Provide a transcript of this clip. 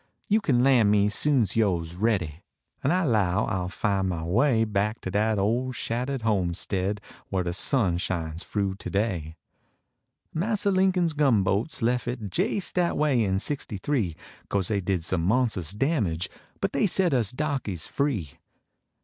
You kin Ian me soon s vo s ready, En I low I ll fin mah way Back to dat ole shattah d homestead Whar de sun shines froo today. Massa Lincoln s gunboats Iff it Jais dat way in sixty three ; Cose <ley did some nionsns damage, Hnl dev st t us dahkies free.